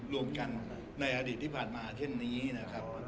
รวมกันในอดีตที่ผ่านมาเช่นนี้นะครับ